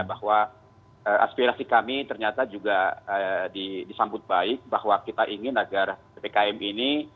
bahwa aspirasi kami ternyata juga disambut baik bahwa kita ingin agar ppkm ini